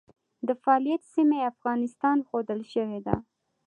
د فعالیت سیمه یې افغانستان ښودل شوې ده.